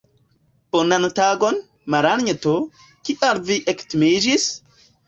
Bonan tagon, Malanjeto, kial vi ektimiĝis?